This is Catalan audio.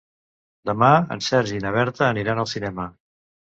Demà en Sergi i na Berta aniran al cinema.